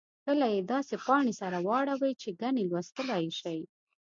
کله یې داسې پاڼې سره واړوئ چې ګنې لوستلای یې شئ.